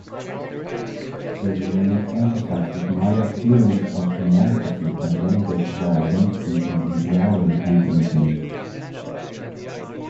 The renaming emphasizes Maya's feelings of inadequacy and denigrates her identity, individuality, and uniqueness.